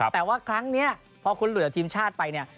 แต่ว่าครั้งนี้พอคุณเหลือทีมชาติไปเนี่ย